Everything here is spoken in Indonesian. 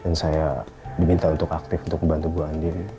dan saya diminta untuk aktif untuk bantu bu andien